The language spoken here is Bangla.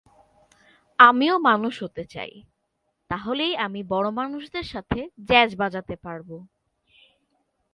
আমিও মানুষ হতে চাই, তাহলেই আমি বড় মানুষদের সাথে জ্যাজবাজাতে পারবো।